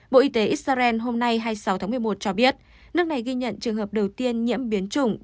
bộ y tế israel hôm nay hai mươi sáu tháng một mươi một cho biết nước này ghi nhận trường hợp đầu tiên nhiễm biến chủng b một một năm trăm hai mươi chín